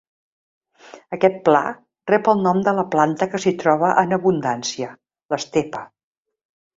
Aquest pla rep el nom de la planta que s'hi troba en abundància: l'estepa.